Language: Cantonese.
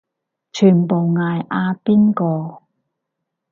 全部嗌阿邊個